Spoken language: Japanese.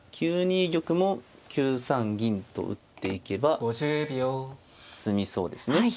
９二玉も９三銀と打っていけば詰みそうですね。